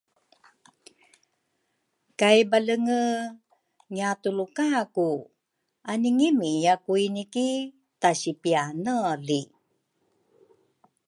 kay Balenge ngiatulukaku aningimia kuini ki tasipianeli.